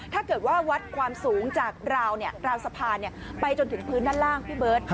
ถ้าเกิดว่าวัดความสูงจากราวสะพานไปจนถึงพื้นด้านล่างพี่เบิร์ต